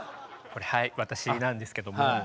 はい私なんですけども。